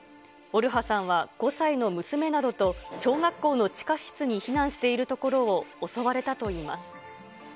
オルハさんは５歳の娘などと、小学校の地下室に避難しているところを襲われたといいます。